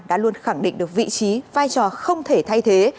đã luôn khẳng định được vị trí vai trò không thể thay thế